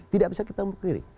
tidak bisa kita memperkiri